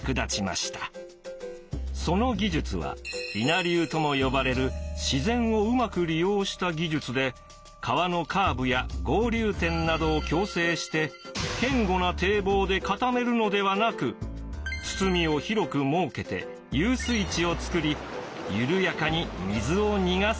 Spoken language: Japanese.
その技術は伊奈流とも呼ばれる自然をうまく利用した技術で川のカーブや合流点などを矯正して堅固な堤防で固めるのではなく堤を広く設けて遊水池を作り緩やかに水を逃がす技術です。